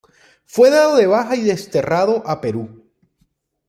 Fue dado de baja y desterrado a Perú.